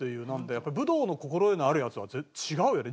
やっぱ武道の心得のあるヤツは違うよね。